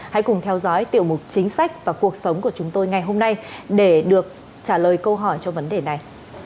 hãy cùng theo dõi tiểu mục chính sách và cuộc sống của chúng tôi ngày hôm nay để được trả lời câu hỏi cho vấn đề này